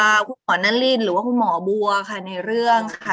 เล่นเป็นคุณหมอนันรินหรือคุณหมอบัวค่ะในเรื่องค่ะ